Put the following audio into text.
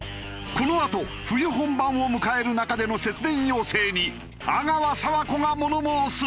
このあと冬本番を迎える中での節電要請に阿川佐和子が物申す！